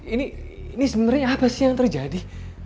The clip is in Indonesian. ini ini sebenernya apa sih yang terjadi